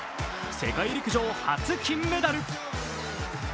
世界陸上初金メダル。